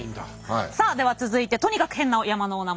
さあでは続いてとにかくヘンな山のお名前